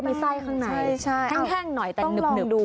มีไส้ข้างในแข้งหน่อยแต่นึก